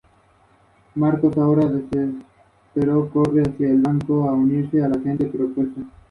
Algunas fotografías son recientes y otras de su archivo.